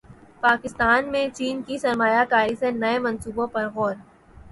پاکستان میں چین کی سرمایہ کاری سے نئے منصوبوں پر غور